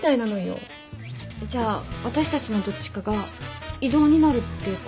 じゃあ私たちのどっちかが異動になるってこと？